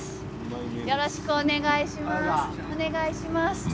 よろしくお願いします。